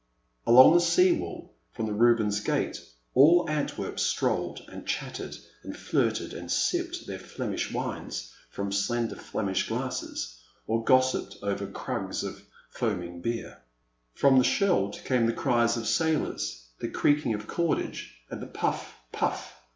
Along the sea wall from the Rubens Gate, all Antwerp strolled, and chattered, and flirted and sipped their Flemish wines from slender Flemish glasses or gossiped over krugs of foaming beer. From the Scheldt came the cries of sailors, the creaking of cordage, and the puff ! puff